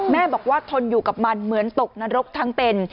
แม่บอกว่าทนอยู่กับมันเหมือนตกนรกทั้งเป็น